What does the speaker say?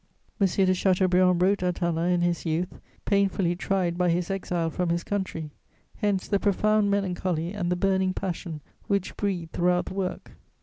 M. de Chateaubriand wrote Atala in his youth, painfully tried by his exile from his country: hence the profound melancholy and the burning passion which breathe throughout the work.